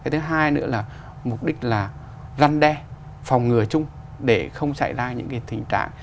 thứ hai nữa là mục đích là răn đe phòng ngừa chung để không xảy ra những tình trạng